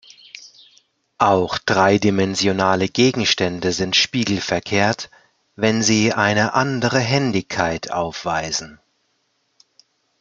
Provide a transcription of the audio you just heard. Auch dreidimensionale Gegenstände sind spiegelverkehrt, wenn sie eine andere Händigkeit aufweisen.